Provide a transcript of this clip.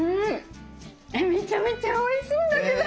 めちゃめちゃおいしいんだけど！